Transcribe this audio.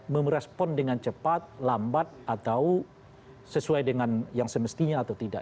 merespon dengan cepat lambat atau sesuai dengan yang semestinya atau tidak